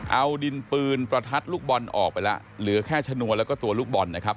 เอาดินปืนประทัดลูกบอลออกไปแล้วเหลือแค่ชนวนแล้วก็ตัวลูกบอลนะครับ